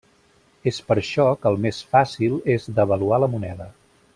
És per això que el més fàcil és devaluar la moneda.